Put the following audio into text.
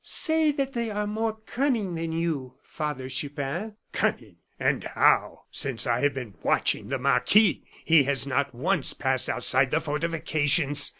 "Say that they are more cunning than you, Father Chupin." "Cunning and how? Since I have been watching the marquis, he has not once passed outside the fortifications.